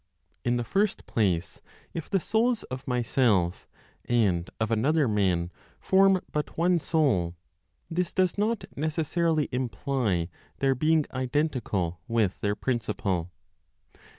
In the first place, if the souls of myself and of another man form but one soul, this does not necessarily imply their being identical with their principle.